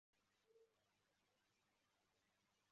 Guhiga imbwa vuba aha gutema igiti